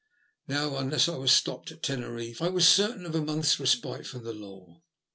Now, un less I was stopped at Teneriffe, I was certain of a month's respite from the law.